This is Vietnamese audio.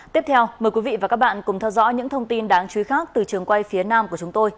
tiếp theo mời quý vị và các bạn cùng theo dõi những thông tin đáng chú ý khác từ trường quay phía nam của chúng tôi